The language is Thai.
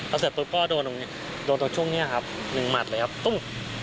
แล้วเสร็จปุ๊บก็โดนตรงช่วงนี้ครับหนึ่งหมัดเลยครับตุ้ม